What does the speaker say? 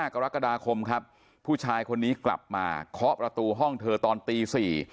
กรกฎาคมครับผู้ชายคนนี้กลับมาเคาะประตูห้องเธอตอนตี๔